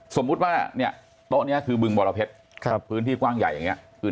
สมมุติว่าเนี่ยโต๊ะนี้คือบึงบรเพชรพื้นที่กว้างใหญ่อย่างนี้